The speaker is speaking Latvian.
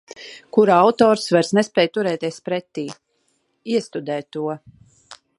Kura autors vairs nespēj turēties pretī. Iestudē to.